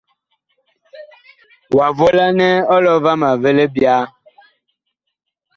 Wa volan ɔlɔ vama vi libyaa.